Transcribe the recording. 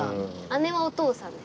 姉はお父さんです。